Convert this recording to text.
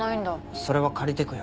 それは借りていくよ。